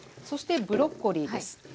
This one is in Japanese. そしてブロッコリーです。